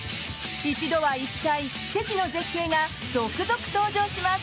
一度は行きたい奇跡の絶景が続々登場します。